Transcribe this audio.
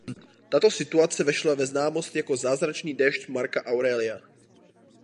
Tato situace vešla ve známost jako "Zázračný déšť Marca Aurelia".